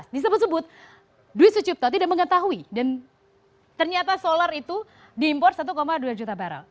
disebut sebut dwi sucipto tidak mengetahui dan ternyata solar itu diimpor satu dua juta barrel